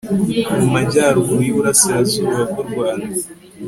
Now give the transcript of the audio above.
mu majyaruguru y'uburasirazuba bw'u rwanda